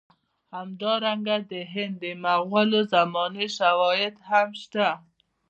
همدارنګه د هند د مغولو د زمانې شواهد هم شته.